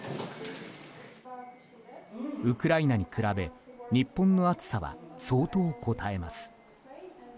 ウクライナに比べ日本の暑さは相当こたえます。